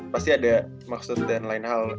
pasti ada maksud dan lain hal